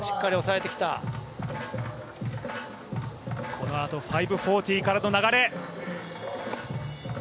このあと５４０からの流れ。